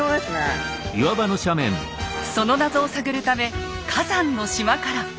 その謎を探るため火山の島から。